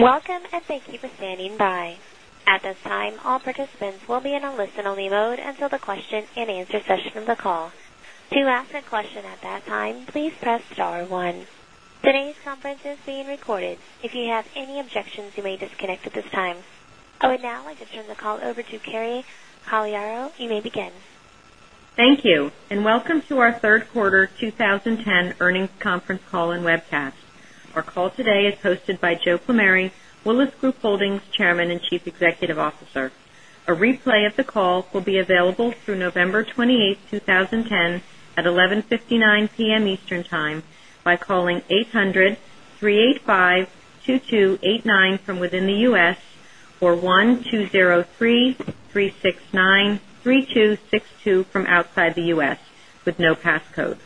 Welcome, and thank you for standing by. At this time, all participants will be in a listen-only mode until the question and answer session of the call. To ask a question at that time, please press star one. Today's conference is being recorded. If you have any objections, you may disconnect at this time. I would now like to turn the call over to Carrie Pagliaro. You may begin. Thank you, and welcome to our third quarter 2010 earnings conference call and webcast. Our call today is hosted by Joe Plumeri, Willis Group Holdings Chairman and Chief Executive Officer. A replay of the call will be available through November 28th, 2010, at 11:59 P.M. Eastern Time by calling 800-385-2289 from within the U.S. or 1-203-369-3262 from outside the U.S. with no passcode.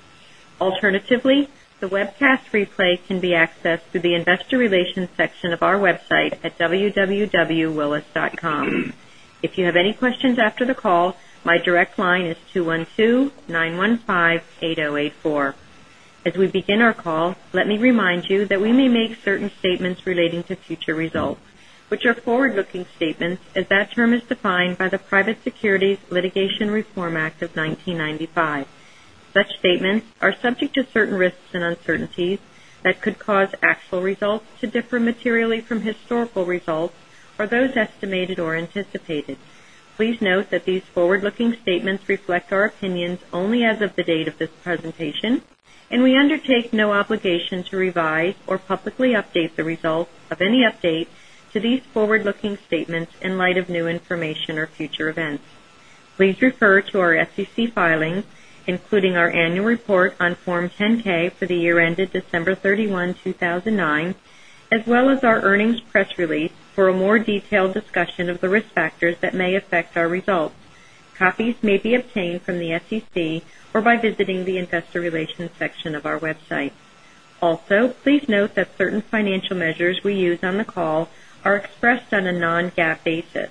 Alternatively, the webcast replay can be accessed through the investor relations section of our website at www.willis.com. If you have any questions after the call, my direct line is 212-915-8084. As we begin our call, let me remind you that we may make certain statements relating to future results, which are forward-looking statements as that term is defined by the Private Securities Litigation Reform Act of 1995. Such statements are subject to certain risks and uncertainties that could cause actual results to differ materially from historical results or those estimated or anticipated. Please note that these forward-looking statements reflect our opinions only as of the date of this presentation, and we undertake no obligation to revise or publicly update the results of any update to these forward-looking statements in light of new information or future events. Please refer to our SEC filings, including our annual report on Form 10-K for the year ended December 31, 2009, as well as our earnings press release for a more detailed discussion of the risk factors that may affect our results. Copies may be obtained from the SEC or by visiting the investor relations section of our website. Also, please note that certain financial measures we use on the call are expressed on a non-GAAP basis.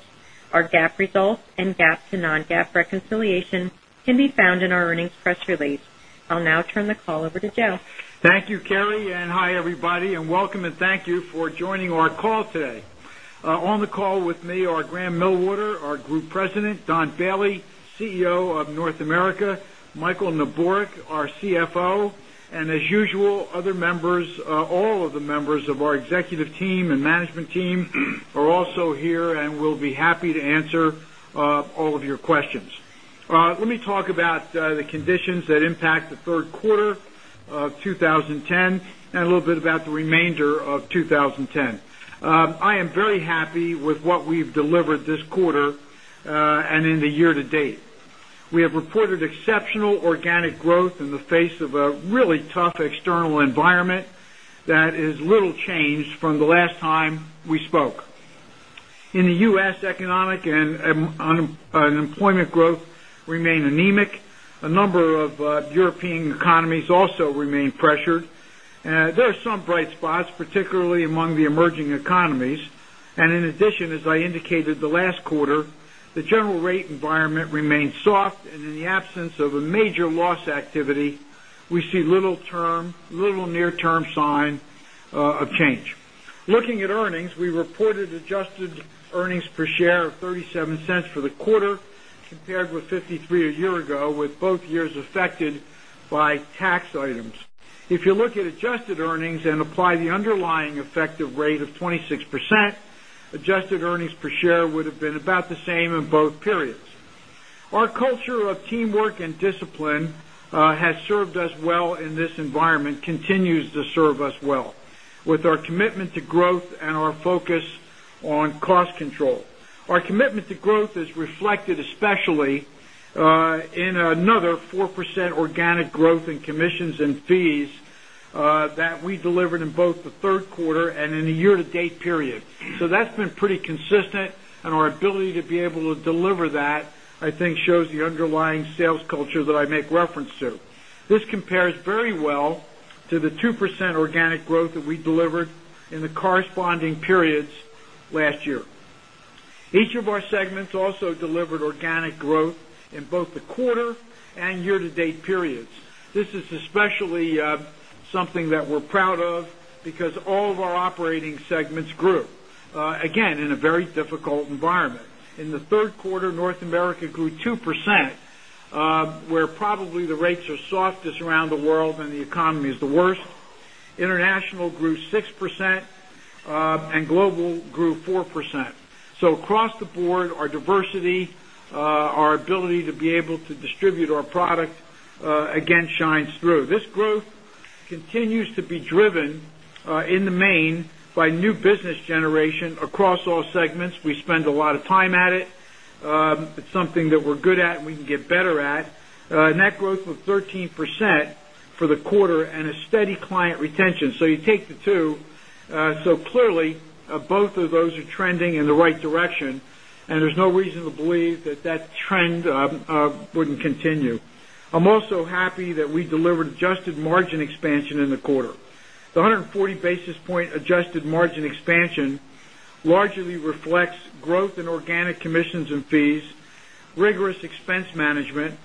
Our GAAP results and GAAP to non-GAAP reconciliation can be found in our earnings press release. I'll now turn the call over to Joe. Thank you, Carrie. Hi, everybody, and welcome, and thank you for joining our call today. On the call with me are Grahame Millwater, our Group President, Don Bailey, CEO of North America, Michael Neborak, our CFO, and as usual, all of the members of our executive team and management team are also here and will be happy to answer all of your questions. Let me talk about the conditions that impact the third quarter of 2010 and a little bit about the remainder of 2010. I am very happy with what we've delivered this quarter and in the year-to-date. We have reported exceptional organic growth in the face of a really tough external environment that is little changed from the last time we spoke. In the U.S., economic and unemployment growth remain anemic. A number of European economies also remain pressured. There are some bright spots, particularly among the emerging economies. In addition, as I indicated the last quarter, the general rate environment remains soft, and in the absence of a major loss activity, we see little near-term sign of change. Looking at earnings, we reported adjusted earnings per share of $0.37 for the quarter, compared with $0.53 a year ago, with both years affected by tax items. If you look at adjusted earnings and apply the underlying effective rate of 26%, adjusted earnings per share would have been about the same in both periods. Our culture of teamwork and discipline has served us well in this environment, continues to serve us well with our commitment to growth and our focus on cost control. Our commitment to growth is reflected especially in another 4% organic growth in commissions and fees that we delivered in both the third quarter and in the year-to-date period. That's been pretty consistent, and our ability to be able to deliver that, I think, shows the underlying sales culture that I make reference to. This compares very well to the 2% organic growth that we delivered in the corresponding periods last year. Each of our segments also delivered organic growth in both the quarter and year-to-date periods. This is especially something that we're proud of because all of our operating segments grew, again, in a very difficult environment. In the third quarter, North America grew 2%, where probably the rates are softest around the world and the economy is the worst. International grew 6%, and Global grew 4%. Across the board, our diversity, our ability to be able to distribute our product again shines through. This growth continues to be driven in the main by new business generation across all segments. We spend a lot of time at it. It's something that we're good at and we can get better at. Net growth was 13% for the quarter and a steady client retention. You take the two, clearly both of those are trending in the right direction, and there's no reason to believe that that trend wouldn't continue. I'm also happy that we delivered adjusted margin expansion in the quarter. The 140 basis point adjusted margin expansion largely reflects growth in organic commissions and fees Rigorous expense management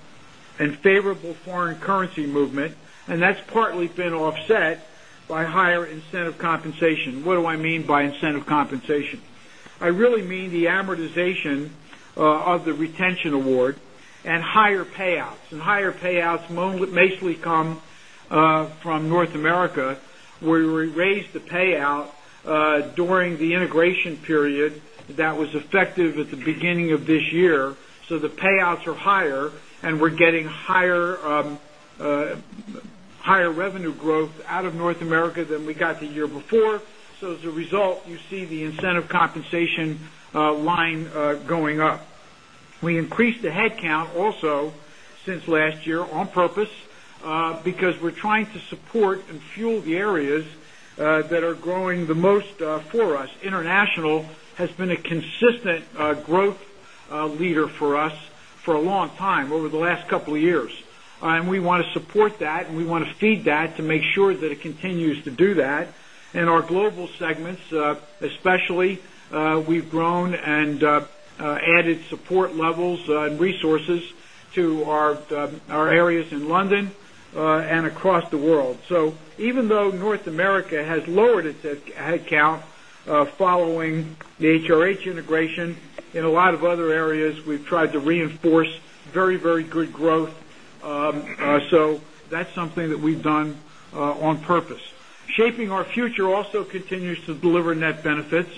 and favorable foreign currency movement, and that's partly been offset by higher incentive compensation. What do I mean by incentive compensation? I really mean the amortization of the retention award and higher payouts. Higher payouts mostly come from North America, where we raised the payout during the integration period that was effective at the beginning of this year. The payouts are higher, and we're getting higher revenue growth out of North America than we got the year before. As a result, you see the incentive compensation line going up. We increased the headcount also since last year on purpose, because we're trying to support and fuel the areas that are growing the most for us. International has been a consistent growth leader for us for a long time, over the last couple of years. We want to support that, and we want to feed that to make sure that it continues to do that. In our global segments, especially, we've grown and added support levels and resources to our areas in London and across the world. Even though North America has lowered its headcount following the HRH integration, in a lot of other areas, we've tried to reinforce very good growth. That's something that we've done on purpose. Shaping Our Future also continues to deliver net benefits,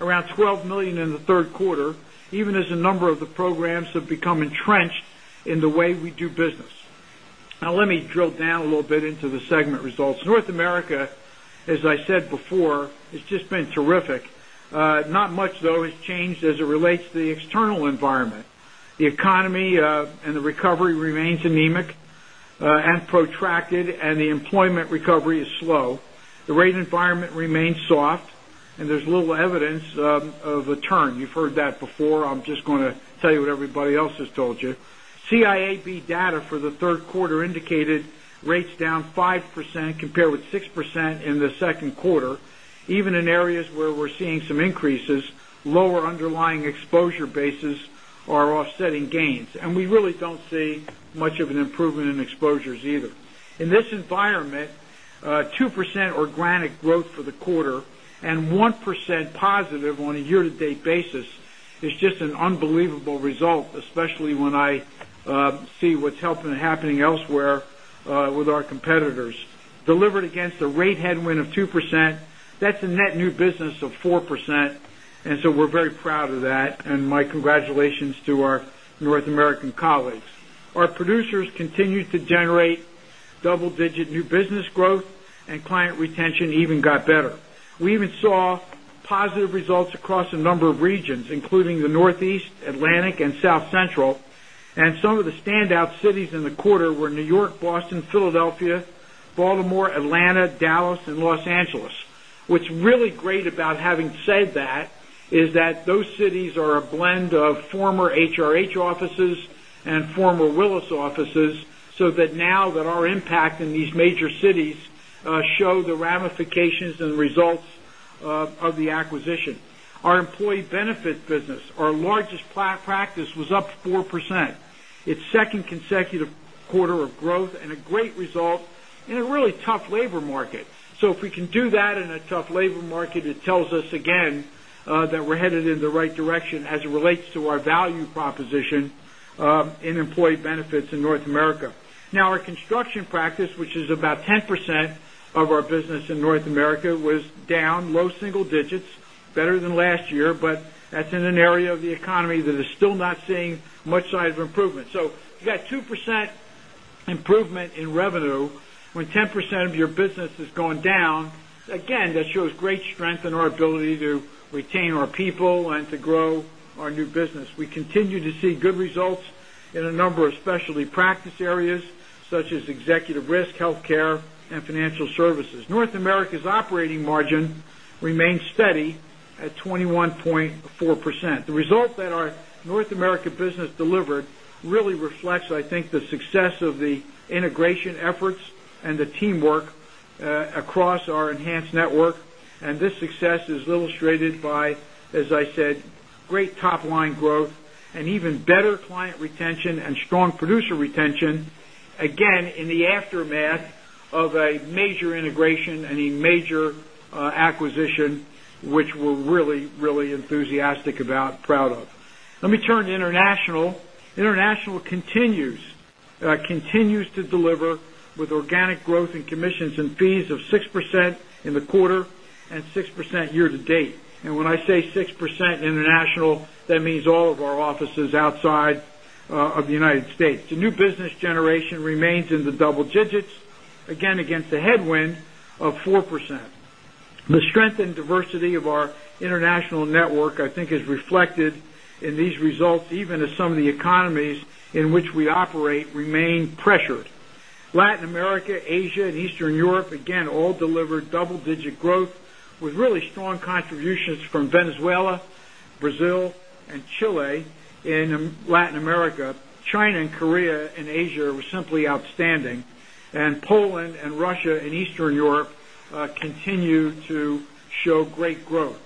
around $12 million in the third quarter, even as a number of the programs have become entrenched in the way we do business. Now let me drill down a little bit into the segment results. North America, as I said before, has just been terrific. Not much, though has changed as it relates to the external environment. The economy and the recovery remains anemic and protracted, and the employment recovery is slow. The rate environment remains soft, and there's little evidence of a turn. You've heard that before. I'm just going to tell you what everybody else has told you. CIAB data for the third quarter indicated rates down 5% compared with 6% in the second quarter. Even in areas where we're seeing some increases, lower underlying exposure bases are offsetting gains, and we really don't see much of an improvement in exposures either. In this environment, 2% organic growth for the quarter and 1% positive on a year-to-date basis is just an unbelievable result, especially when I see what's happening elsewhere with our competitors. Delivered against a rate headwind of 2%, that's a net new business of 4%. We're very proud of that, and my congratulations to our North American colleagues. Our producers continued to generate double-digit new business growth, and client retention even got better. We even saw positive results across a number of regions, including the Northeast, Atlantic, and South Central, and some of the standout cities in the quarter were New York, Boston, Philadelphia, Baltimore, Atlanta, Dallas, and Los Angeles. What's really great about having said that is that those cities are a blend of former HRH offices and former Willis offices, now that our impact in these major cities show the ramifications and results of the acquisition. Our employee benefit business, our largest practice, was up 4%. Its second consecutive quarter of growth and a great result in a really tough labor market. If we can do that in a tough labor market, it tells us again that we're headed in the right direction as it relates to our value proposition in employee benefits in North America. Our construction practice, which is about 10% of our business in North America, was down low single digits, better than last year, but that's in an area of the economy that is still not seeing much signs of improvement. You got 2% improvement in revenue when 10% of your business has gone down. That shows great strength in our ability to retain our people and to grow our new business. We continue to see good results in a number of specialty practice areas, such as executive risk, healthcare, and financial services. North America's operating margin remains steady at 21.4%. The result that our North America business delivered really reflects, I think, the success of the integration efforts and the teamwork across our enhanced network. This success is illustrated by, as I said, great top-line growth and even better client retention and strong producer retention, again, in the aftermath of a major integration and a major acquisition, which we're really enthusiastic about and proud of. Let me turn to International. International continues to deliver with organic growth in commissions and fees of 6% in the quarter and 6% year-to-date. When I say 6% International, that means all of our offices outside of the U.S. The new business generation remains in the double digits, again, against a headwind of 4%. The strength and diversity of our international network, I think, is reflected in these results, even as some of the economies in which we operate remain pressured. Latin America, Asia, and Eastern Europe, again, all delivered double-digit growth with really strong contributions from Venezuela, Brazil, and Chile in Latin America. China and Korea in Asia were simply outstanding. Poland and Russia and Eastern Europe continue to show great growth.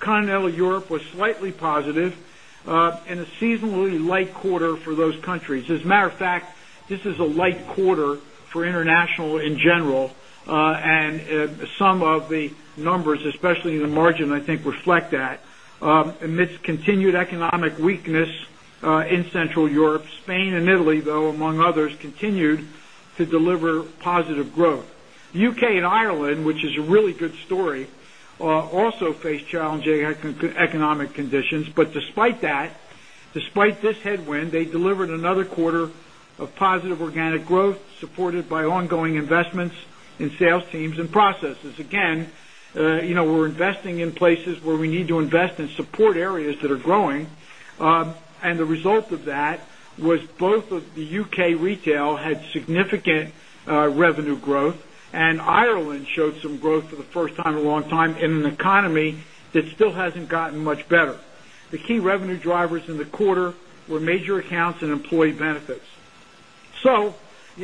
Continental Europe was slightly positive and a seasonally light quarter for those countries. As a matter of fact, this is a light quarter for International in general, and some of the numbers, especially in the margin, I think, reflect that. Amidst continued economic weakness in Central Europe, Spain and Italy, though, among others, continued to deliver positive growth. U.K. and Ireland, which is a really good story, also face challenging economic conditions. Despite that, despite this headwind, they delivered another quarter of positive organic growth, supported by ongoing investments in sales teams and processes. We're investing in places where we need to invest and support areas that are growing. The result of that was both of the U.K. retail had significant revenue growth, and Ireland showed some growth for the first time in a long time in an economy that still hasn't gotten much better. The key revenue drivers in the quarter were major accounts and employee benefits. The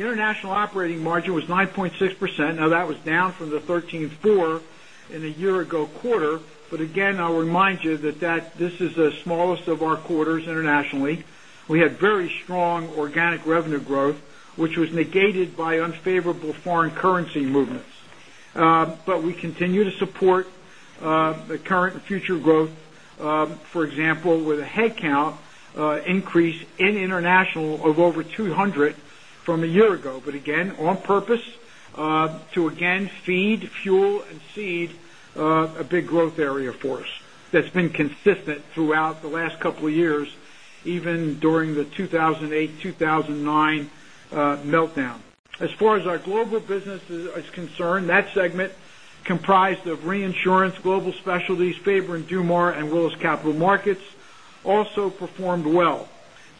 International operating margin was 9.6%. That was down from the 13.4% in the year-ago quarter. Again, I'll remind you that this is the smallest of our quarters Internationally. We had very strong organic revenue growth, which was negated by unfavorable foreign currency movements. We continue to support the current and future growth, for example, with a headcount increase in international of over 200 from a year ago, again, on purpose, to again, feed, fuel, and seed a big growth area for us that's been consistent throughout the last couple of years, even during the 2008-2009 meltdown. As far as our global business is concerned, that segment comprised of reinsurance, global specialties, Faber and Dumas, and Willis Capital Markets, also performed well,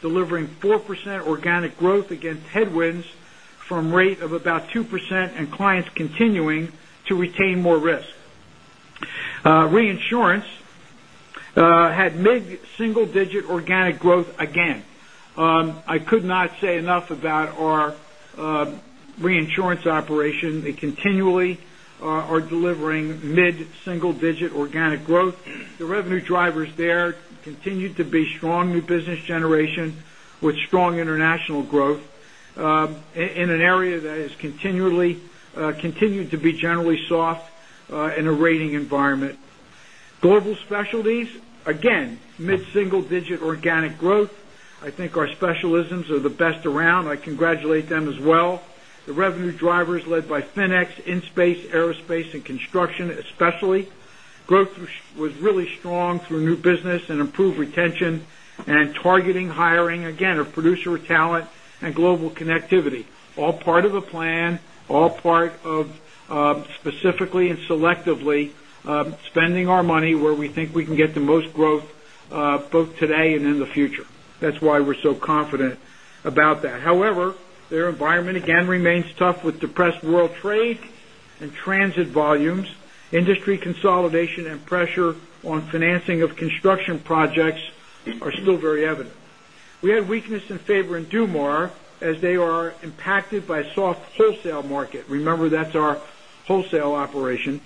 delivering 4% organic growth against headwinds from rate of about 2% and clients continuing to retain more risk. Reinsurance had mid-single digit organic growth again. I could not say enough about our reinsurance operation. They continually are delivering mid-single digit organic growth. The revenue drivers there continued to be strong new business generation with strong international growth in an area that has continued to be generally soft in a rating environment. Global specialties, again, mid-single digit organic growth. I think our specialisms are the best around. I congratulate them as well. The revenue drivers led by FINEX, Inspace, Aerospace, and Construction, especially. Growth was really strong through new business and improved retention and targeting hiring, again, of producer talent and global connectivity. All part of the plan, all part of specifically and selectively spending our money where we think we can get the most growth both today and in the future. That's why we're so confident about that. Their environment, again, remains tough with depressed world trade and transit volumes, industry consolidation, and pressure on financing of construction projects are still very evident. We had weakness in Faber and Dumas as they are impacted by soft wholesale market. Remember, that's our wholesale operation,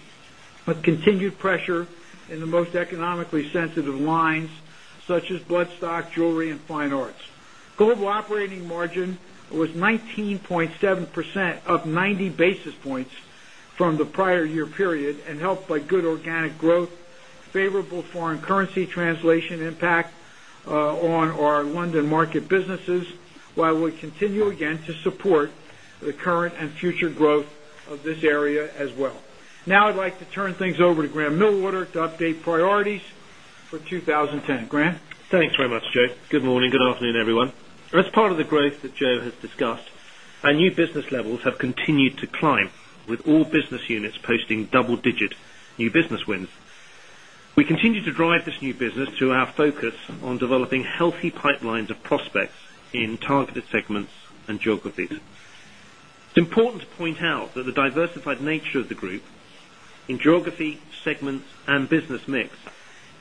but continued pressure in the most economically sensitive lines such as bloodstock, jewelry, and fine arts. Global operating margin was 19.7% up 90 basis points from the prior year period and helped by good organic growth, favorable foreign currency translation impact on our London market businesses, while we continue again to support the current and future growth of this area as well. I'd like to turn things over to Grahame Millwater to update priorities for 2010. Grant? Thanks very much, Joe. Good morning, good afternoon, everyone. As part of the growth that Joe has discussed, our new business levels have continued to climb with all business units posting double-digit new business wins. We continue to drive this new business through our focus on developing healthy pipelines of prospects in targeted segments and geographies. It's important to point out that the diversified nature of the group in geography, segments, and business mix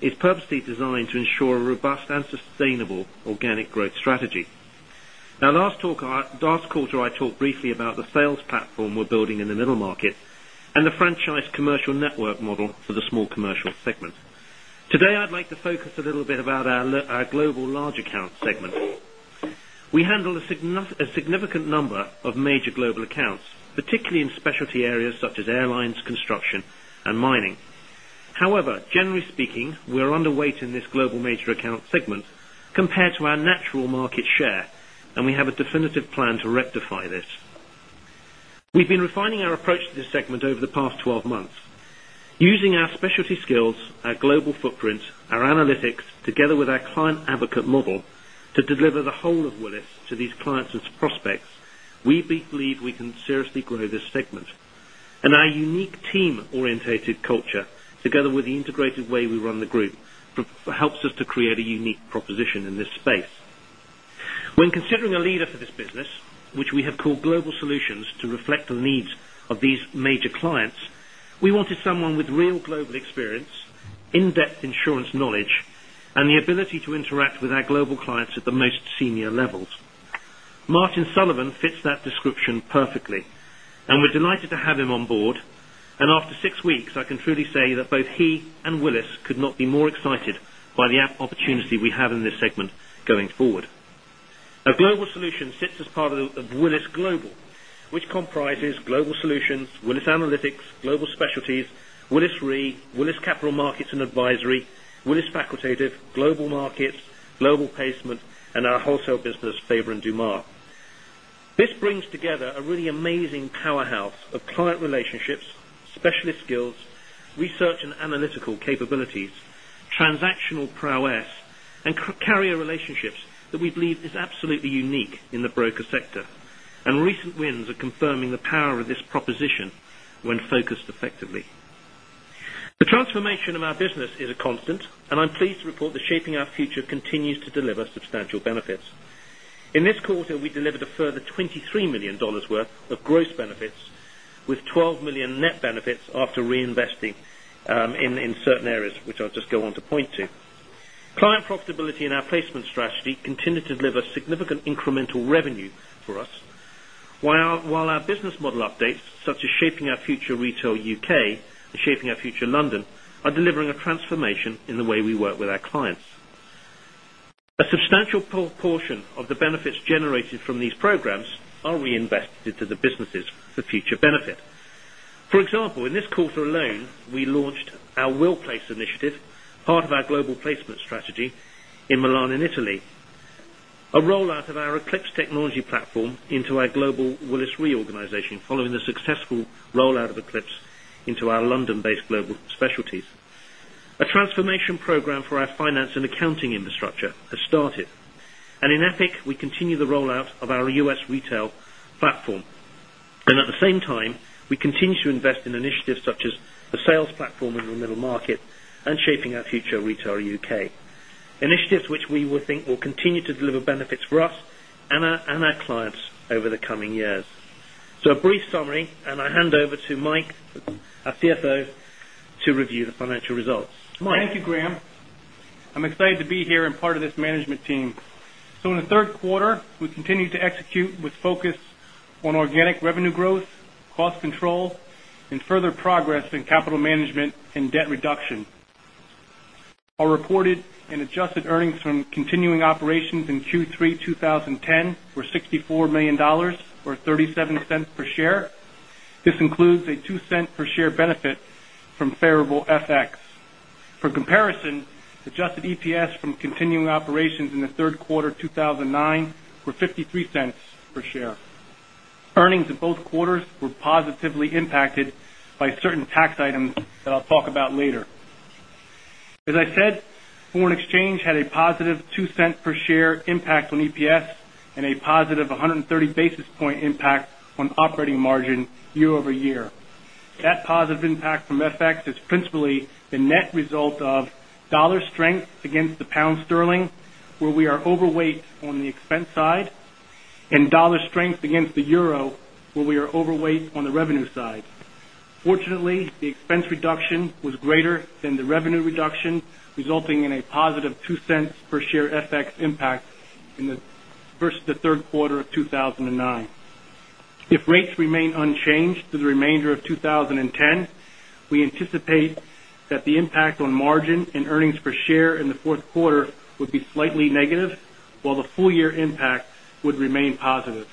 is purposely designed to ensure a robust and sustainable organic growth strategy. Last quarter, I talked briefly about the sales platform we're building in the middle market and the franchise commercial network model for the small commercial segment. Today, I'd like to focus a little bit about our global large account segment. We handle a significant number of major global accounts, particularly in specialty areas such as airlines, construction, and mining. Generally speaking, we're underweight in this global major account segment compared to our natural market share, and we have a definitive plan to rectify this. We've been refining our approach to this segment over the past 12 months. Using our specialty skills, our global footprint, our analytics, together with our client advocate model to deliver the whole of Willis to these clients and to prospects, we believe we can seriously grow this segment. Our unique team-orientated culture, together with the integrated way we run the group, helps us to create a unique proposition in this space. When considering a leader for this business, which we have called Global Solutions to reflect the needs of these major clients, we wanted someone with real global experience, in-depth insurance knowledge, and the ability to interact with our global clients at the most senior levels. Martin Sullivan fits that description perfectly, and we're delighted to have him on board. After six weeks, I can truly say that both he and Willis could not be more excited by the opportunity we have in this segment going forward. Global Solutions sits as part of Willis Global, which comprises Global Solutions, Willis Analytics, Global Specialties, Willis Re, Willis Capital Markets & Advisory, Willis Facultative, Global Markets, Global Placement, and our wholesale business, Faber & Dumas. This brings together a really amazing powerhouse of client relationships, specialist skills, research and analytical capabilities, transactional prowess, and carrier relationships that we believe is absolutely unique in the broker sector. Recent wins are confirming the power of this proposition when focused effectively. The transformation of our business is a constant, and I'm pleased to report that Shaping Our Future continues to deliver substantial benefits. In this quarter, we delivered a further $23 million worth of gross benefits with $12 million net benefits after reinvesting in certain areas, which I'll just go on to point to. Client profitability and our placement strategy continue to deliver significant incremental revenue for us, while our business model updates, such as Shaping Our Future Retail UK and Shaping Our Future London, are delivering a transformation in the way we work with our clients. A substantial proportion of the benefits generated from these programs are reinvested into the businesses for future benefit. For example, in this quarter alone, we launched our WillPLACE initiative, part of our global placement strategy in Milan and Italy. A rollout of our Eclipse technology platform into our global Willis Re organization, following the successful rollout of Eclipse into our London-based Global Specialties. A transformation program for our finance and accounting infrastructure has started. In Epic, we continue the rollout of our U.S. retail platform. At the same time, we continue to invest in initiatives such as the sales platform in the middle market and Shaping Our Future Retail UK. Initiatives which we will think will continue to deliver benefits for us and our clients over the coming years. A brief summary, and I hand over to Mike, our CFO, to review the financial results. Mike. Thank you, Grahame. I'm excited to be here and part of this management team. In the third quarter, we continued to execute with focus on organic revenue growth, cost control, and further progress in capital management and debt reduction. Our reported and adjusted earnings from continuing operations in Q3 2010 were $64 million, or $0.37 per share. This includes a $0.02 per share benefit from favorable FX. For comparison, adjusted EPS from continuing operations in the third quarter 2009 were $0.53 per share. Earnings in both quarters were positively impacted by certain tax items that I'll talk about later. As I said, foreign exchange had a positive $0.02 per share impact on EPS and a positive 130 basis point impact on operating margin year-over-year. That positive impact from FX is principally the net result of dollar strength against the GBP, where we are overweight on the expense side, and dollar strength against the EUR, where we are overweight on the revenue side. Fortunately, the expense reduction was greater than the revenue reduction, resulting in a positive $0.02 per share FX impact versus the third quarter of 2009. If rates remain unchanged through the remainder of 2010, we anticipate that the impact on margin and earnings per share in the fourth quarter would be slightly negative, while the full-year impact would remain positive.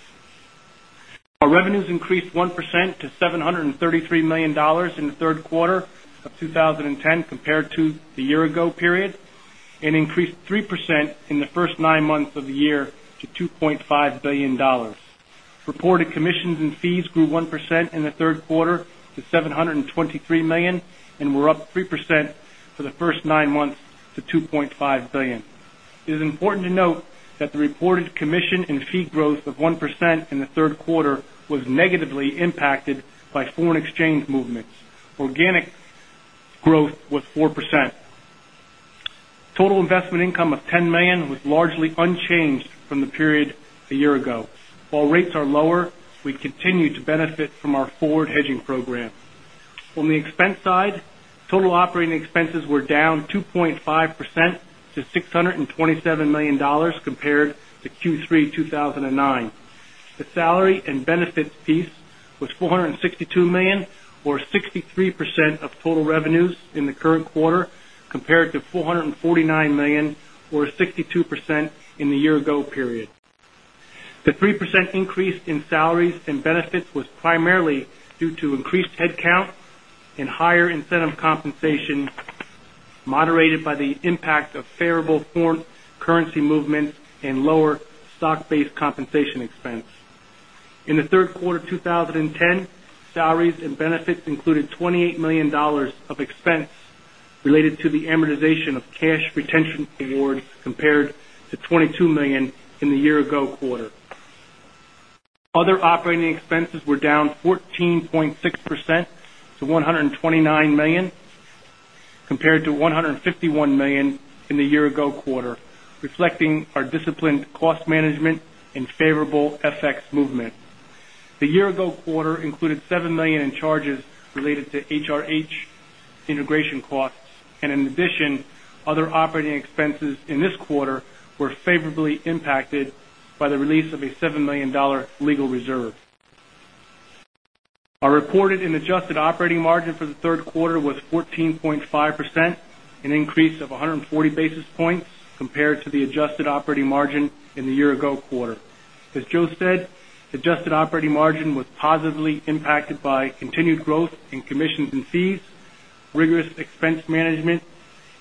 Our revenues increased 1% to $733 million in the third quarter of 2010 compared to the year-ago period, and increased 3% in the first nine months of the year to $2.5 billion. Reported commissions and fees grew 1% in the third quarter to $723 million, and were up 3% for the first nine months to $2.5 billion. It is important to note that the reported commission and fee growth of 1% in the third quarter was negatively impacted by foreign exchange movements. Organic growth was 4%. Total investment income of $10 million was largely unchanged from the year-ago period. While rates are lower, we continue to benefit from our forward hedging program. On the expense side, total operating expenses were down 2.5% to $627 million compared to Q3 2009. The salary and benefits piece was $462 million or 63% of total revenues in the current quarter, compared to $449 million or 62% in the year-ago period. The 3% increase in salaries and benefits was primarily due to increased headcount and higher incentive compensation, moderated by the impact of favorable foreign currency movements and lower stock-based compensation expense. In the third quarter 2010, salaries and benefits included $28 million of expense related to the amortization of cash retention awards, compared to $22 million in the year-ago quarter. Other operating expenses were down 14.6% to $129 million, compared to $151 million in the year-ago quarter, reflecting our disciplined cost management and favorable FX movement. The year-ago quarter included $7 million in charges related to HRH integration costs, and in addition, other operating expenses in this quarter were favorably impacted by the release of a $7 million legal reserve. Our reported and adjusted operating margin for the third quarter was 14.5%, an increase of 140 basis points compared to the adjusted operating margin in the year-ago quarter. As Joe said, adjusted operating margin was positively impacted by continued growth in commissions and fees, rigorous expense management,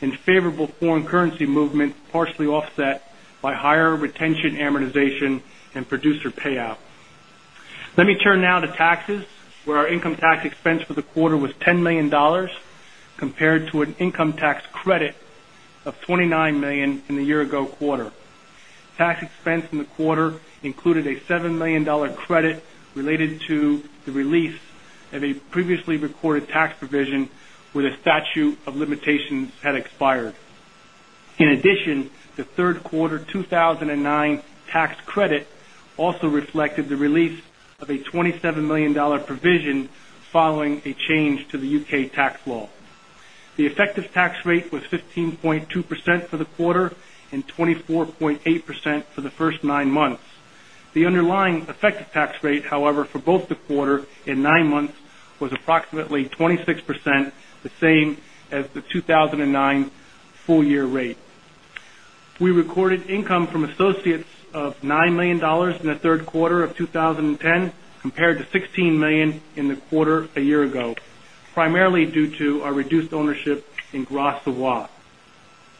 and favorable foreign currency movement, partially offset by higher retention amortization and producer payout. Let me turn now to taxes, where our income tax expense for the quarter was $10 million, compared to an income tax credit of $29 million in the year-ago quarter. Tax expense in the quarter included a $7 million credit related to the release of a previously recorded tax provision where the statute of limitations had expired. In addition, the third quarter 2009 tax credit also reflected the release of a $27 million provision following a change to the U.K. tax law. The effective tax rate was 15.2% for the quarter and 24.8% for the first nine months. The underlying effective tax rate, however, for both the quarter and nine months, was approximately 26%, the same as the 2009 full-year rate. We recorded income from associates of $9 million in the third quarter of 2010, compared to $16 million in the quarter a year ago, primarily due to our reduced ownership in Gras Savoye.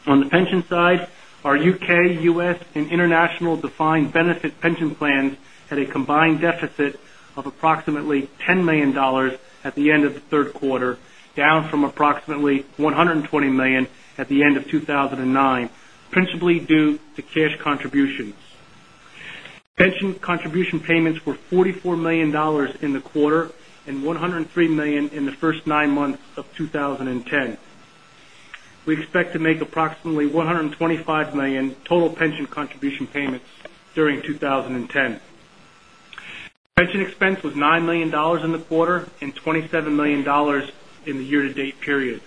On the pension side, our U.K., U.S., and international defined benefit pension plans had a combined deficit of approximately $10 million at the end of the third quarter, down from approximately $120 million at the end of 2009, principally due to cash contributions. Pension contribution payments were $44 million in the quarter and $103 million in the first nine months of 2010. We expect to make approximately $125 million total pension contribution payments during 2010. Pension expense was $9 million in the quarter and $27 million in the year-to-date period.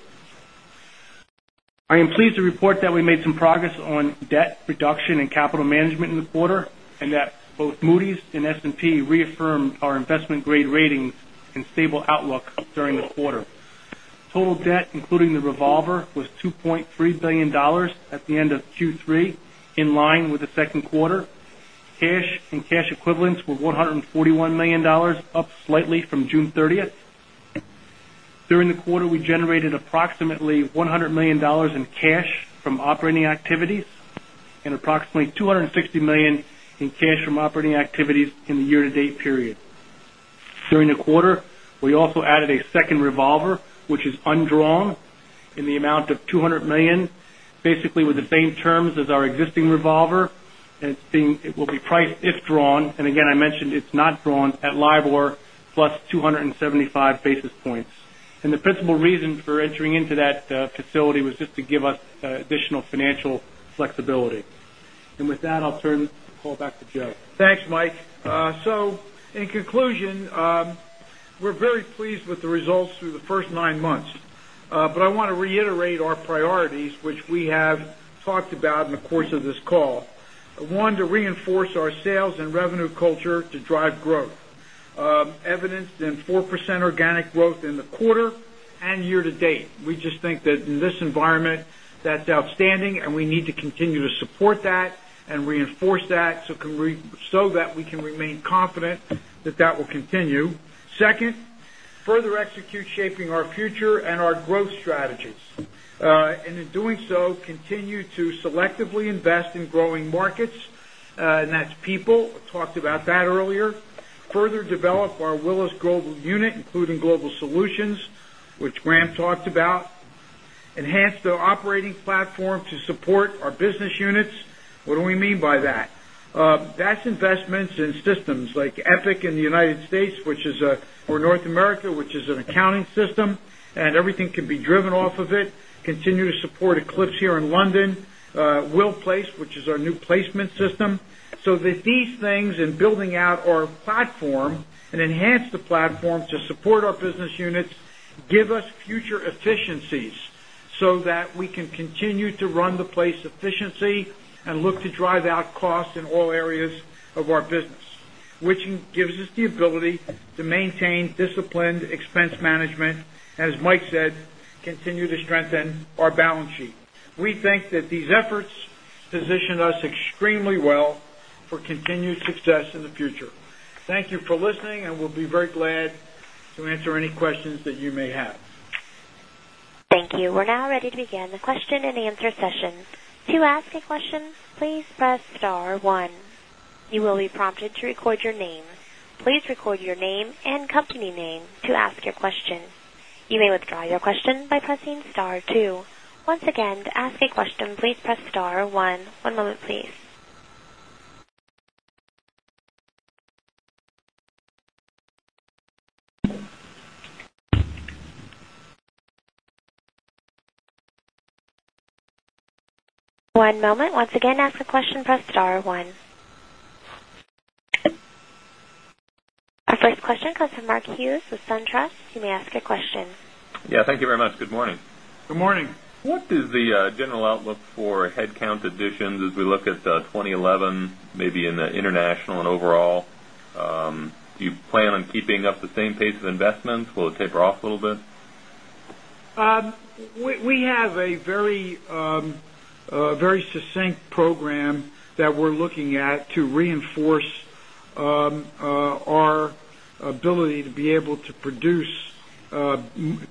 I am pleased to report that we made some progress on debt reduction and capital management in the quarter, that both Moody's and S&P reaffirmed our investment-grade ratings and stable outlook during the quarter. Total debt, including the revolver, was $2.3 billion at the end of Q3, in line with the second quarter. Cash and cash equivalents were $141 million, up slightly from June 30th. During the quarter, we generated approximately $100 million in cash from operating activities and approximately $260 million in cash from operating activities in the year-to-date period. During the quarter, we also added a second revolver, which is undrawn in the amount of $200 million, basically with the same terms as our existing revolver, and it will be priced if drawn, I mentioned it's not drawn, at LIBOR plus 275 basis points. The principal reason for entering into that facility was just to give us additional financial flexibility. With that, I'll turn the call back to Joe. Thanks, Mike. In conclusion, we're very pleased with the results through the first nine months. I want to reiterate our priorities, which we have talked about in the course of this call. One, to reinforce our sales and revenue culture to drive growth, evidenced in 4% organic growth in the quarter and year to date. We just think that in this environment, that's outstanding, and we need to continue to support that and reinforce that so that we can remain confident that that will continue. Second, further execute Shaping Our Future and our growth strategies. In doing so, continue to selectively invest in growing markets. That's people, talked about that earlier. Further develop our Willis Global unit, including Willis Global Solutions, which Grahame talked about. Enhance the operating platform to support our business units. What do we mean by that? That's investments in systems like Epic in the U.S. or North America, which is an accounting system, and everything can be driven off of it. Continue to support Eclipse here in London, WillPLACE, which is our new placement system. That these things, in building out our platform and enhance the platform to support our business units, give us future efficiencies so that we can continue to run the place efficiently and look to drive out costs in all areas of our business, which gives us the ability to maintain disciplined expense management, as Mike said, continue to strengthen our balance sheet. We think that these efforts position us extremely well for continued success in the future. Thank you for listening. We'll be very glad to answer any questions that you may have. Thank you. We're now ready to begin the question and answer session. To ask a question, please press star one. You will be prompted to record your name. Please record your name and company name to ask your question. You may withdraw your question by pressing star two. Once again, to ask a question, please press star one. One moment, please. One moment. Once again, to ask a question, press star one. Our first question comes from Mark Hughes with SunTrust. You may ask a question. Yeah. Thank you very much. Good morning. Good morning. What is the general outlook for headcount additions as we look at 2011, maybe in the international and overall? Do you plan on keeping up the same pace of investments? Will it taper off a little bit? We have a very succinct program that we're looking at to reinforce our ability to be able to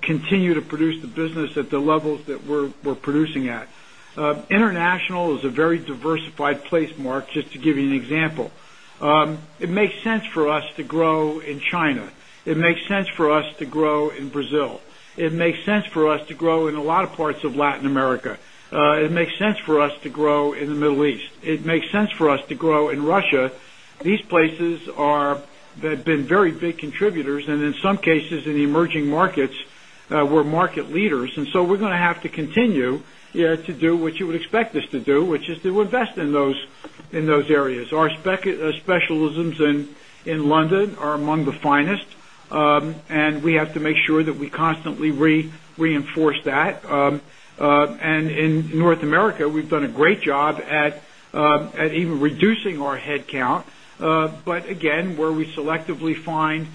continue to produce the business at the levels that we're producing at. International is a very diversified place, Mark, just to give you an example. It makes sense for us to grow in China. It makes sense for us to grow in Brazil. It makes sense for us to grow in a lot of parts of Latin America. It makes sense for us to grow in the Middle East. It makes sense for us to grow in Russia. These places have been very big contributors, and in some cases, in the emerging markets, we're market leaders. We're going to have to continue to do what you would expect us to do, which is to invest in those areas. Our specialisms in London are among the finest, and we have to make sure that we constantly reinforce that. In North America, we've done a great job at even reducing our headcount. Again, where we selectively find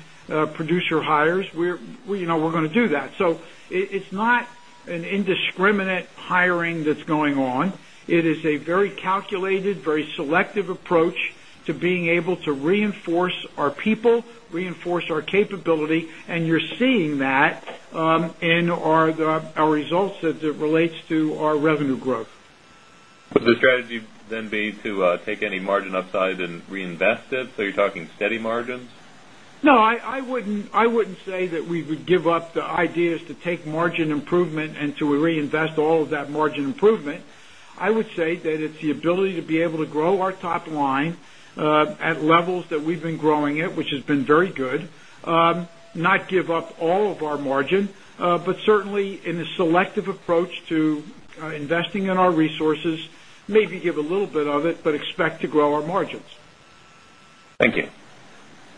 producer hires, we're going to do that. It's not an indiscriminate hiring that's going on. It is a very calculated, very selective approach to being able to reinforce our people, reinforce our capability. You're seeing that in our results as it relates to our revenue growth. Would the strategy then be to take any margin upside and reinvest it? You're talking steady margins? No, I wouldn't say that we would give up the ideas to take margin improvement and to reinvest all of that margin improvement. I would say that it's the ability to be able to grow our top line at levels that we've been growing it, which has been very good. Not give up all of our margin. Certainly, in a selective approach to investing in our resources, maybe give a little bit of it, but expect to grow our margins. Thank you.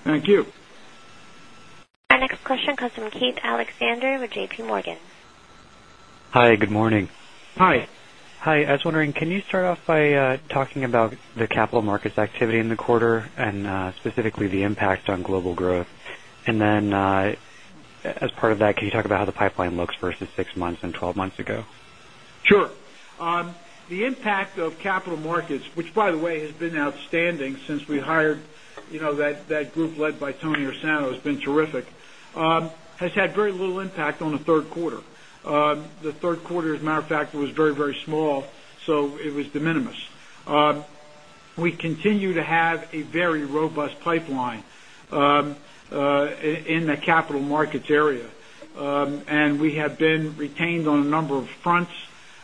Thank you. Our next question comes from Keith Alexander with JPMorgan. Hi, good morning. Hi. Hi. I was wondering, can you start off by talking about the capital markets activity in the quarter and specifically the impact on global growth? Then, as part of that, can you talk about how the pipeline looks versus six months and 12 months ago? Sure. The impact of capital markets, which by the way, has been outstanding since we hired that group led by Tony Ursano, has been terrific, has had very little impact on the third quarter. The third quarter, as a matter of fact, was very small, so it was de minimis. We continue to have a very robust pipeline in the capital markets area. We have been retained on a number of fronts.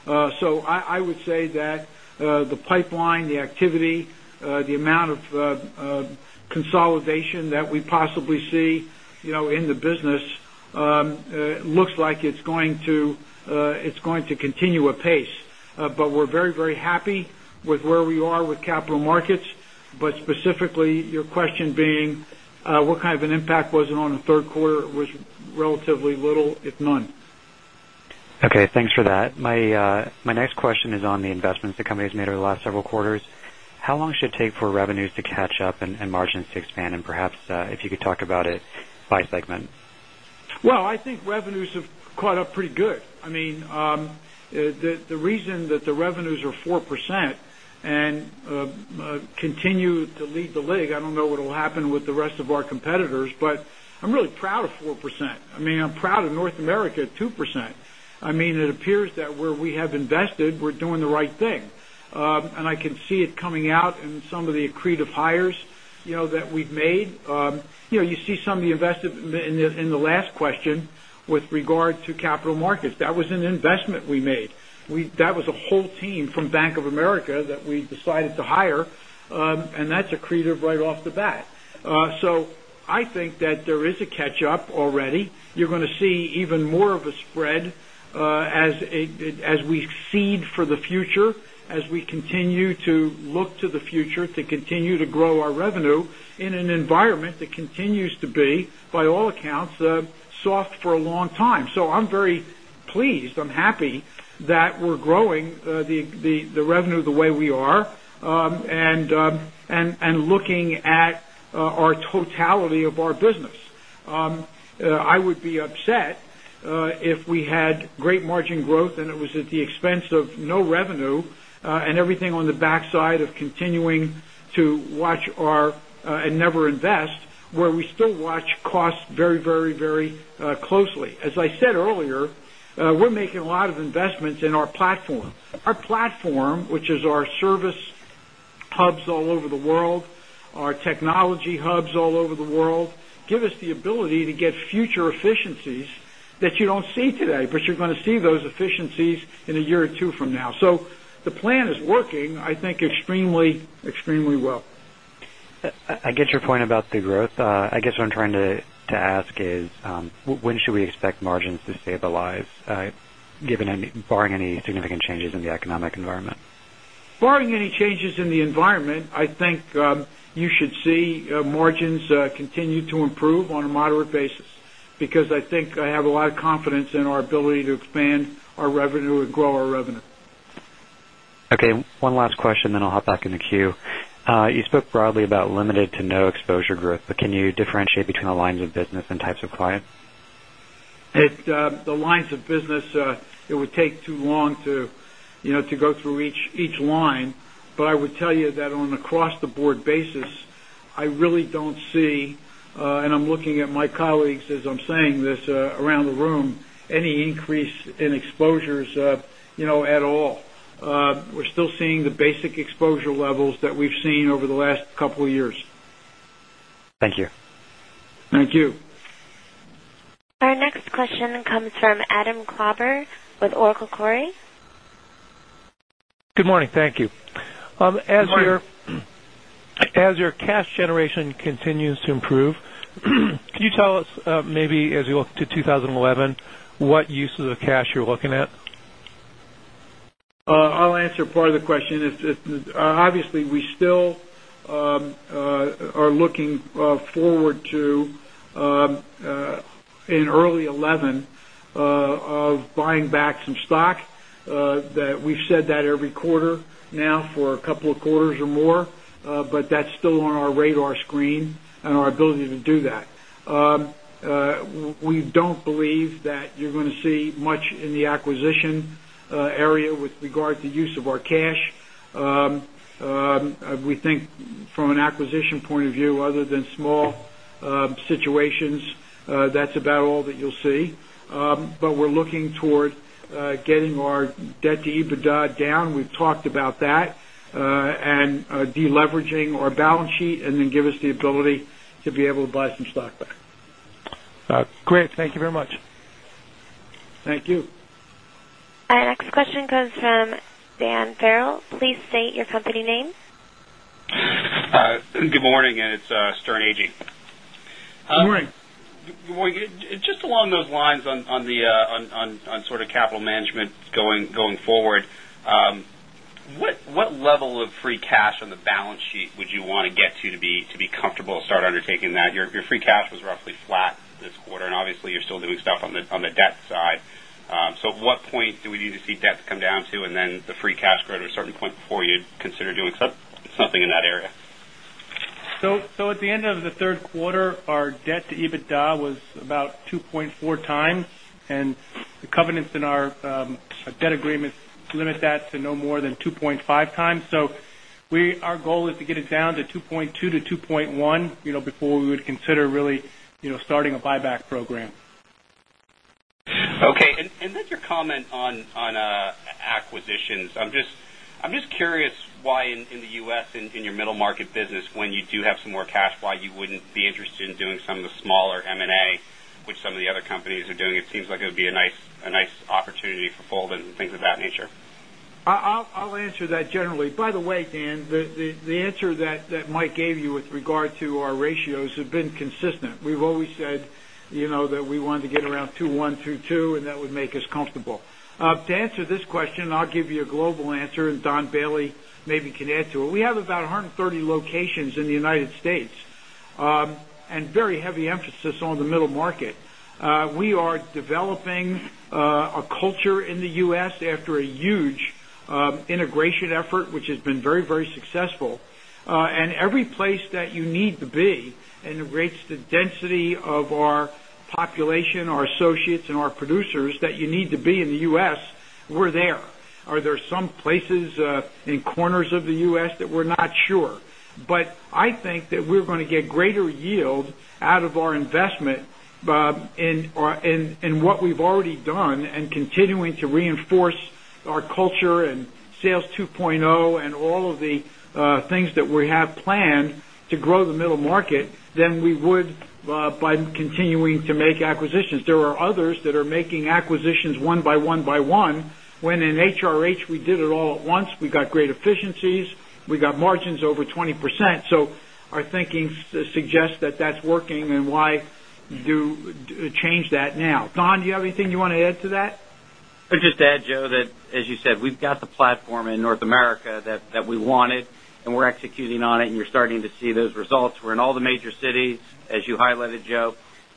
I would say that the pipeline, the activity, the amount of consolidation that we possibly see in the business looks like it's going to continue apace. We're very happy with where we are with capital markets. Specifically, your question being, what kind of an impact was it on the third quarter? It was relatively little, if none. Okay, thanks for that. My next question is on the investments the company has made over the last several quarters. How long should it take for revenues to catch up and margins to expand? Perhaps, if you could talk about it by segment. Well, I think revenues have caught up pretty good. The reason that the revenues are 4% and continue to lead the league, I don't know what will happen with the rest of our competitors, but I'm really proud of 4%. I'm proud of North America at 2%. It appears that where we have invested, we're doing the right thing. I can see it coming out in some of the accretive hires that we've made. You see some of the investment in the last question with regard to capital markets. That was an investment we made. That was a whole team from Bank of America that we decided to hire, and that's accretive right off the bat. I think that there is a catch-up already. You're going to see even more of a spread as we seed for the future, as we continue to look to the future to continue to grow our revenue in an environment that continues to be, by all accounts, soft for a long time. I'm very pleased. I'm happy that we're growing the revenue the way we are, and looking at our totality of our business. I would be upset if we had great margin growth, and it was at the expense of no revenue, and everything on the backside of continuing to watch and never invest, where we still watch costs very closely. As I said earlier, we're making a lot of investments in our platform. Our platform, which is our service hubs all over the world, our technology hubs all over the world, give us the ability to get future efficiencies that you don't see today, but you're going to see those efficiencies in a year or two from now. The plan is working, I think, extremely well. I get your point about the growth. I guess what I'm trying to ask is, when should we expect margins to stabilize, barring any significant changes in the economic environment? Barring any changes in the environment, I think you should see margins continue to improve on a moderate basis, because I think I have a lot of confidence in our ability to expand our revenue and grow our revenue. Okay. One last question, then I'll hop back in the queue. You spoke broadly about limited to no exposure growth, but can you differentiate between the lines of business and types of clients? The lines of business, it would take too long to go through each line. I would tell you that on across-the-board basis, I really don't see, and I'm looking at my colleagues as I'm saying this around the room, any increase in exposures at all. We're still seeing the basic exposure levels that we've seen over the last couple of years. Thank you. Thank you. Our next question comes from Adam Klauber with Macquarie. Good morning, thank you. Good morning. As your cash generation continues to improve, can you tell us, maybe as we look to 2011, what uses of cash you're looking at? I'll answer part of the question. Obviously, we still are looking forward to, in early 2011, of buying back some stock. We've said that every quarter now for a couple of quarters or more. That's still on our radar screen and our ability to do that. We don't believe that you're going to see much in the acquisition area with regard to use of our cash. We think from an acquisition point of view, other than small situations, that's about all that you'll see. We're looking toward getting our debt to EBITDA down. We've talked about that, and de-leveraging our balance sheet, and then give us the ability to be able to buy some stock back. Great. Thank you very much. Thank you. Our next question comes from Dan Farrell. Please state your company name. Good morning, it's Sterne Agee. Good morning. What level of free cash on the balance sheet would you want to get to be comfortable to start undertaking that? Your free cash was roughly flat this quarter, and obviously, you're still doing stuff on the debt side. At what point do we need to see debt come down to, and then the free cash grow to a certain point before you'd consider doing something in that area? At the end of the third quarter, our debt to EBITDA was about 2.4 times, and the covenants in our debt agreements limit that to no more than 2.5 times. Our goal is to get it down to 2.2 to 2.1, before we would consider really starting a buyback program. Okay. Your comment on acquisitions. I'm just curious why in the U.S., in your middle market business, when you do have some more cash, why you wouldn't be interested in doing some of the smaller M&A which some of the other companies are doing. It seems like it would be a nice opportunity for fold-in and things of that nature. I'll answer that generally. By the way, Dan, the answer that Mike gave you with regard to our ratios have been consistent. We've always said that we wanted to get around 2.1, 2.2, and that would make us comfortable. To answer this question, and I'll give you a global answer, and Don Bailey maybe can add to it. We have about 130 locations in the United States, and very heavy emphasis on the middle market. We are developing a culture in the U.S. after a huge integration effort, which has been very successful. Every place that you need to be, and the rates, the density of our population, our associates, and our producers that you need to be in the U.S., we're there. Are there some places in corners of the U.S. that we're not? Sure. I think that we're going to get greater yield out of our investment in what we've already done and continuing to reinforce our culture and Sales 2.0 and all of the things that we have planned to grow the middle market than we would by continuing to make acquisitions. There are others that are making acquisitions one by one by one, when in HRH, we did it all at once. We got great efficiencies. We got margins over 20%. Our thinking suggests that that's working and why change that now? Don, do you have anything you want to add to that? I'll just add, Joe, that as you said, we've got the platform in North America that we wanted, and we're executing on it, and you're starting to see those results. We're in all the major cities. As you highlighted, Joe,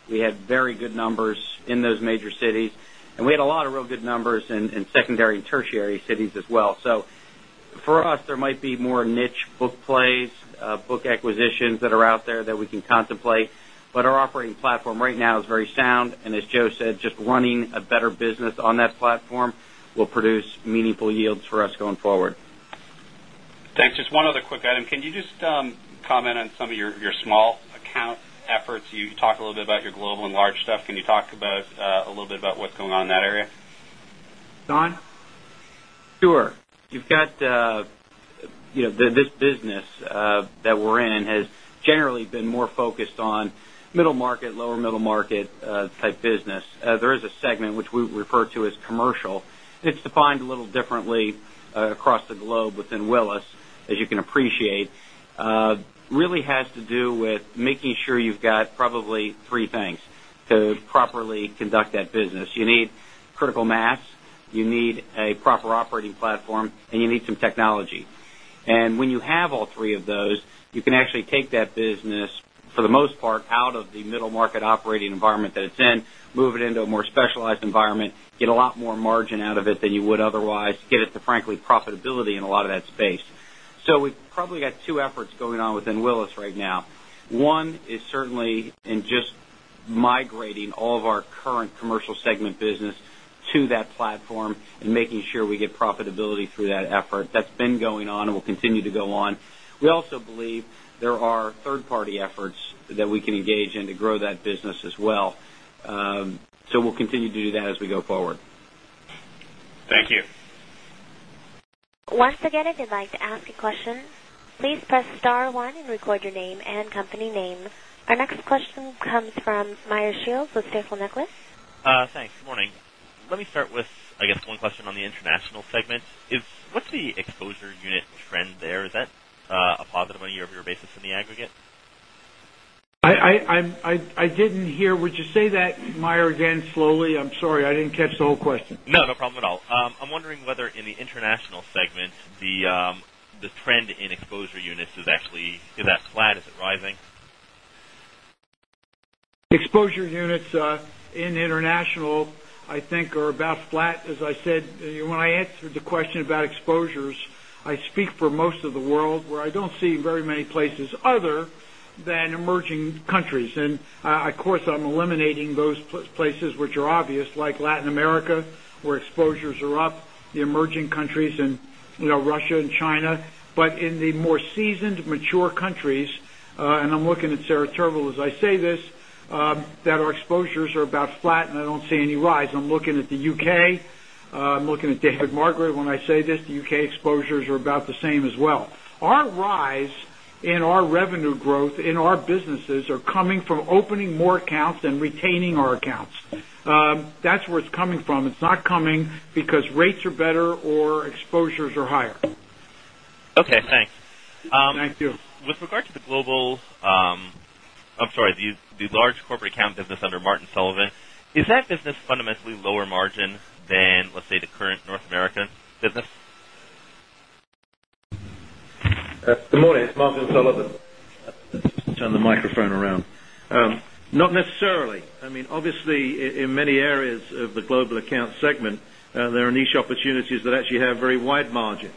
we had very good numbers in those major cities, and we had a lot of real good numbers in secondary and tertiary cities as well. For us, there might be more niche book plays, book acquisitions that are out there that we can contemplate. Our operating platform right now is very sound, and as Joe said, just running a better business on that platform will produce meaningful yields for us going forward. Thanks. Just one other quick item. Can you just comment on some of your small account efforts? You talked a little bit about your global and large stuff. Can you talk a little bit about what's going on in that area? Don? Sure. This business that we're in has generally been more focused on middle market, lower middle market type business. There is a segment which we refer to as commercial It's defined a little differently across the globe within Willis, as you can appreciate. Really has to do with making sure you've got probably three things to properly conduct that business. You need critical mass, you need a proper operating platform, and you need some technology. When you have all three of those, you can actually take that business, for the most part, out of the middle-market operating environment that it's in, move it into a more specialized environment, get a lot more margin out of it than you would otherwise, get it to, frankly, profitability in a lot of that space. We've probably got two efforts going on within Willis right now. One is certainly in just migrating all of our current commercial segment business to that platform and making sure we get profitability through that effort. That's been going on and will continue to go on. We also believe there are third-party efforts that we can engage in to grow that business as well. We'll continue to do that as we go forward. Thank you. Once again, if you'd like to ask a question, please press star one and record your name and company name. Our next question comes from Meyer Shields with Stifel Nicolaus. Thanks. Good morning. Let me start with, I guess, one question on the international segment. What's the exposure unit trend there? Is that a positive on a year-over-year basis in the aggregate? I didn't hear. Would you say that, Meyer, again slowly? I'm sorry, I didn't catch the whole question. No, no problem at all. I'm wondering whether in the international segment, the trend in exposure units is actually about flat. Is it rising? Exposure units in international, I think, are about flat. As I said, when I answered the question about exposures, I speak for most of the world, where I don't see very many places other than emerging countries. Of course, I'm eliminating those places which are obvious, like Latin America, where exposures are up, the emerging countries in Russia and China. In the more seasoned, mature countries, and I'm looking at Sarah Turvill as I say this, that our exposures are about flat and I don't see any rise. I'm looking at the U.K., I'm looking at David Margrett when I say this, the U.K. exposures are about the same as well. Our rise in our revenue growth in our businesses are coming from opening more accounts and retaining our accounts. That's where it's coming from. It's not coming because rates are better or exposures are higher. Okay, thanks. Thank you. With regard to the global I'm sorry, the large corporate account business under Martin Sullivan, is that business fundamentally lower margin than, let's say, the current North American business? Good morning. It's Martin Sullivan. Just turn the microphone around. Not necessarily. Obviously, in many areas of the global account segment, there are niche opportunities that actually have very wide margins.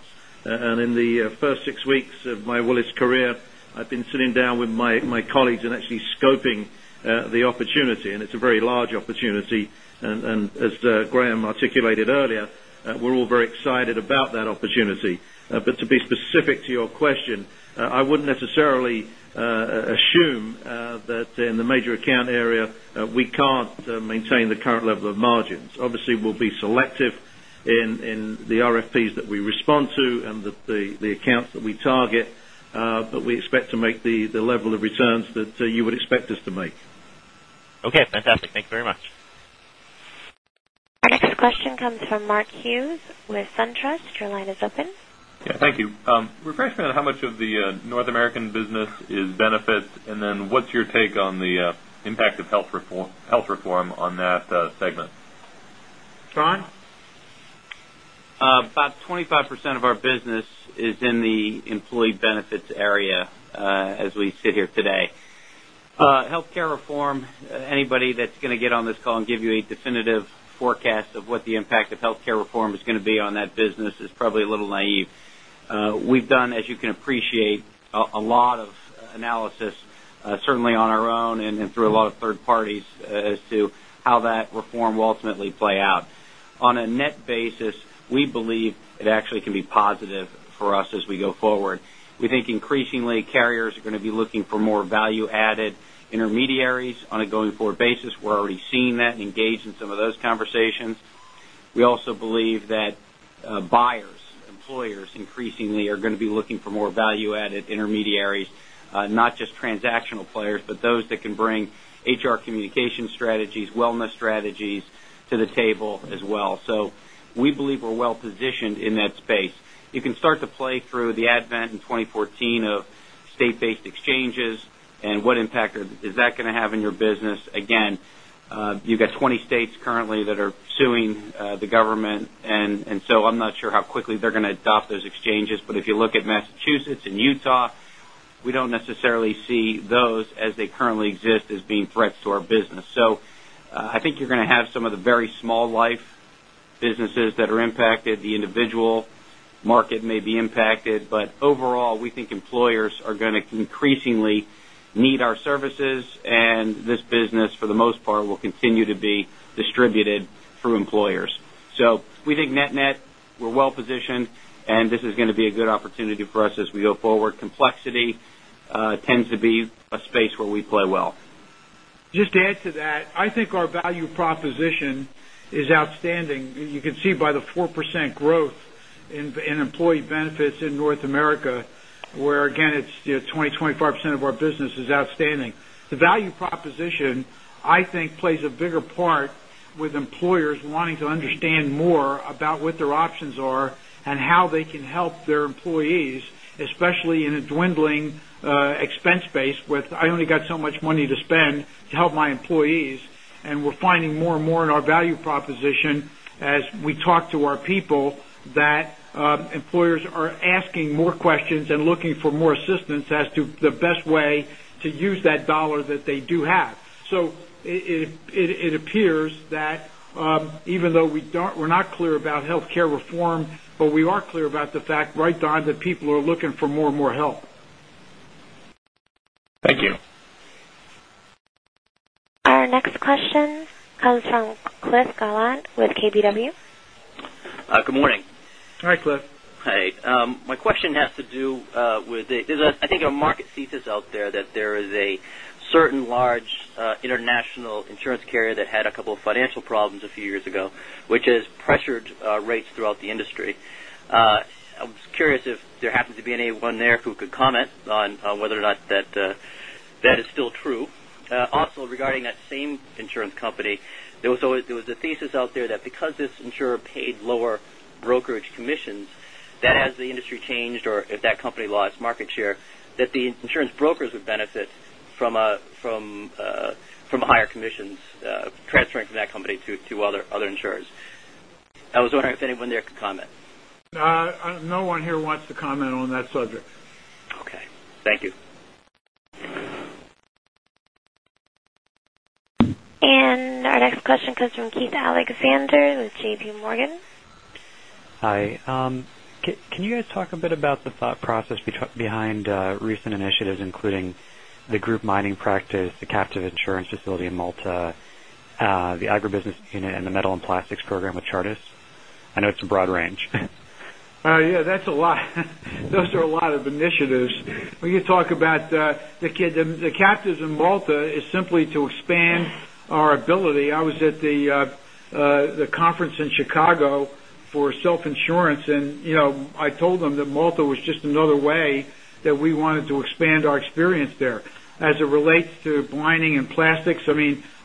In the first six weeks of my Willis career, I've been sitting down with my colleagues and actually scoping the opportunity, and it's a very large opportunity. As Grahame articulated earlier, we're all very excited about that opportunity. To be specific to your question, I wouldn't necessarily assume that in the major account area, we can't maintain the current level of margins. Obviously, we'll be selective in the RFPs that we respond to and the accounts that we target, but we expect to make the level of returns that you would expect us to make. Okay, fantastic. Thank you very much. Our next question comes from Mark Hughes with SunTrust. Your line is open. Yeah, thank you. Refresh me on how much of the North American business is benefit, and then what's your take on the impact of health reform on that segment? Sean? About 25% of our business is in the employee benefits area as we sit here today. Healthcare reform, anybody that's going to get on this call and give you a definitive forecast of what the impact of healthcare reform is going to be on that business is probably a little naive. We've done, as you can appreciate, a lot of analysis, certainly on our own and through a lot of third parties, as to how that reform will ultimately play out. On a net basis, we believe it actually can be positive for us as we go forward. We think increasingly carriers are going to be looking for more value-added intermediaries on a going-forward basis. We're already seeing that and engaged in some of those conversations. We also believe that buyers, employers, increasingly are going to be looking for more value-added intermediaries, not just transactional players, but those that can bring HR communication strategies, wellness strategies to the table as well. We believe we're well-positioned in that space. You can start to play through the advent in 2014 of state-based exchanges and what impact is that going to have on your business. You've got 20 states currently that are suing the government, I'm not sure how quickly they're going to adopt those exchanges. If you look at Massachusetts and Utah, we don't necessarily see those as they currently exist as being threats to our business. I think you're going to have some of the very small life businesses that are impacted, the individual market may be impacted, overall, we think employers are going to increasingly need our services, this business, for the most part, will continue to be distributed through employers. We think net-net, we're well-positioned, this is going to be a good opportunity for us as we go forward. Complexity tends to be a space where we play well. Just to add to that, I think our value proposition is outstanding. You can see by the 4% growth in employee benefits in North America, where again, it's 20, 25% of our business is outstanding. The value proposition, I think, plays a bigger part with employers wanting to understand more about what their options are and how they can help their employees, especially in a dwindling expense base with, "I only got so much money to spend to help my employees." We're finding more and more in our value proposition as we talk to our people, that employers are asking more questions and looking for more assistance as to the best way to use that dollar that they do have. It appears that even though we're not clear about healthcare reform, we are clear about the fact right now that people are looking for more and more help. Thank you. Our next question comes from Cliff Gallant with KBW. Good morning. Hi, Cliff. Hi. My question has to do with the, I think, a market thesis out there that there is a certain large international insurance carrier that had a couple of financial problems a few years ago, which has pressured rates throughout the industry. I was curious if there happened to be anyone there who could comment on whether or not that is still true. Also regarding that same insurance company, there was a thesis out there that because this insurer paid lower brokerage commissions, that as the industry changed or if that company lost market share, that the insurance brokers would benefit from higher commissions transferring from that company to other insurers. I was wondering if anyone there could comment. No one here wants to comment on that subject. Okay. Thank you. Our next question comes from Keith Alexander with JPMorgan. Hi. Can you guys talk a bit about the thought process behind recent initiatives, including the Group Mining Practice, the captive insurance facility in Malta, the agribusiness unit, and the Metal and Plastics Program with Chartis? I know it's a broad range. Yeah, that's a lot. Those are a lot of initiatives. When you talk about the captives in Malta is simply to expand our ability. I was at the conference in Chicago for self-insurance, and I told them that Malta was just another way that we wanted to expand our experience there. As it relates to mining and plastics,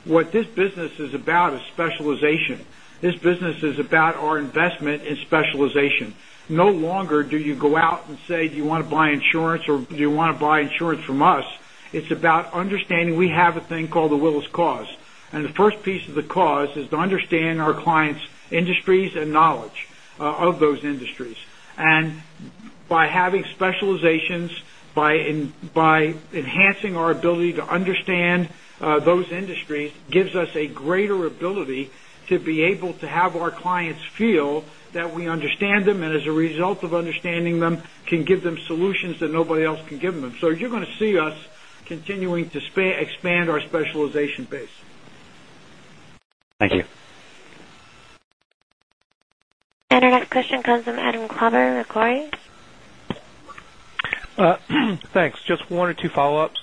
what this business is about is specialization. This business is about our investment in specialization. No longer do you go out and say, "Do you want to buy insurance," or, "Do you want to buy insurance from us?" It's about understanding we have a thing called The Willis Cause, and the first piece of the cause is to understand our clients' industries and knowledge of those industries. By having specializations, by enhancing our ability to understand those industries, gives us a greater ability to be able to have our clients feel that we understand them, and as a result of understanding them, can give them solutions that nobody else can give them. You're going to see us continuing to expand our specialization base. Thank you. Our next question comes from Adam Klauber with Macquarie. Thanks. Just one or two follow-ups.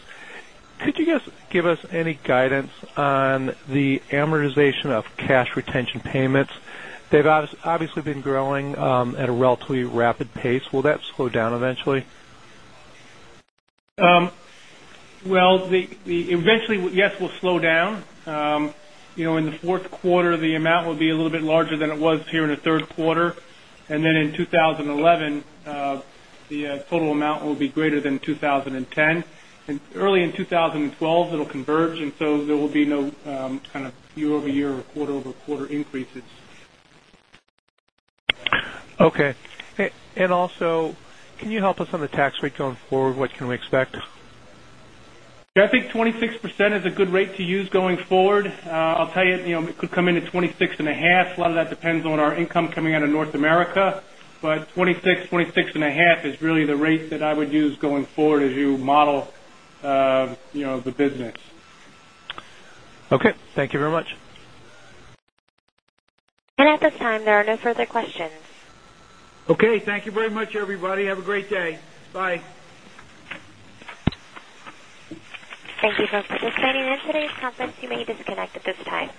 Could you guys give us any guidance on the amortization of cash retention payments? They've obviously been growing at a relatively rapid pace. Will that slow down eventually? Well, eventually, yes, we'll slow down. In the fourth quarter, the amount will be a little bit larger than it was here in the third quarter. Then in 2011, the total amount will be greater than 2010. Early in 2012, it'll converge, so there will be no kind of year-over-year or quarter-over-quarter increases. Okay. Also, can you help us on the tax rate going forward? What can we expect? I think 26% is a good rate to use going forward. I'll tell you, it could come in at 26 and a half. A lot of that depends on our income coming out of North America. 26%, 26 and a half is really the rate that I would use going forward as you model the business. Okay. Thank you very much. At this time, there are no further questions. Okay, thank you very much, everybody. Have a great day. Bye. Thank you for participating in today's conference. You may disconnect at this time.